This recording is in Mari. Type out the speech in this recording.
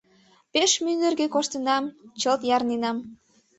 — Пеш мӱндыркӧ коштынам, чылт ярненам.